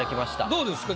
どうですか？